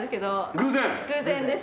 偶然です。